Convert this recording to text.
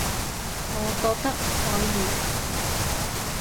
我覺得可以